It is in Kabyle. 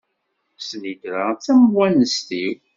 Snitra d tamewanest-iw.